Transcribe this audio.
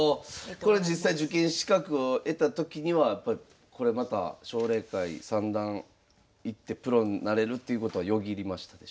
これ実際受験資格を得た時にはこれまた奨励会三段いってプロになれるっていうことはよぎりましたでしょうか？